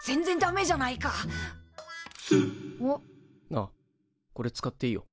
あっこれ使っていいよ。